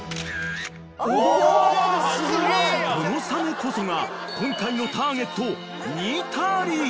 ［このサメこそが今回のターゲットニタリ］